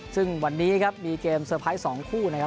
ซึ่งวันนี้ครับมีเกมเตอร์ไพรส์๒คู่นะครับ